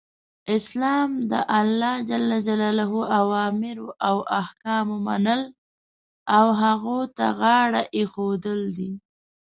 اسلام د الله ج اوامرو او احکامو منل او هغو ته غاړه ایښودل دی .